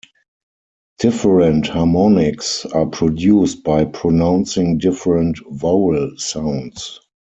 Different harmonics are produced by pronouncing different vowel sounds.